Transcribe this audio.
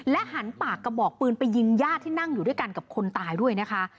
หันปากกระบอกปืนไปยิงญาติที่นั่งอยู่ด้วยกันกับคนตายด้วยนะคะ